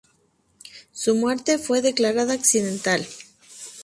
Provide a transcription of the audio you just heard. Su muerte fue declarada accidental.